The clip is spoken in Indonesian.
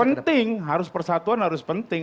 penting harus persatuan harus penting